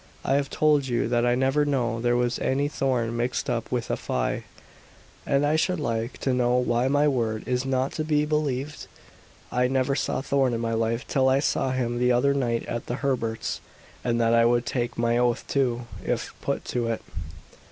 "I have told you that I never knew there was any Thorn mixed up with Afy, and I should like to know why my word is not to be believed? I never saw Thorn in my life till I saw him the other night at the Herberts', and that I would take my oath to, if put to it."